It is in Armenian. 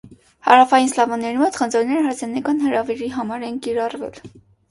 Հարավային սլավոնների մոտ խնձորները հարսանեկան հրավերի համար են կրառվել։